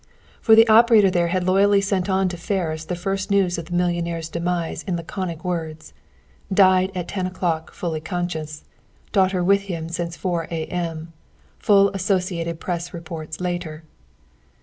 For the operator there had loyally sent on to Ferris the first news of the millionaire's demise in laconic words, "Died at ten o'clock, fully conscious. Daughter with him since four A.M. Full Associated Press reports later."